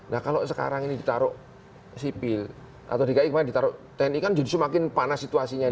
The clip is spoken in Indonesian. nah kalau sekarang ini ditaruh sipil atau dki kemarin ditaruh tni kan jadi semakin panas situasinya